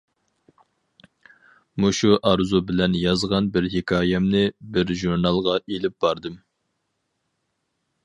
مۇشۇ ئارزۇ بىلەن يازغان بىر ھېكايەمنى بىر ژۇرنالغا ئېلىپ باردىم.